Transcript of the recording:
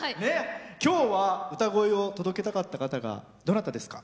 今日は歌声を届けたかった方がどなたですか？